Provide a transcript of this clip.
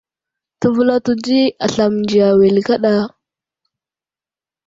Təvəlato di aslam mənziya awehe kaɗa.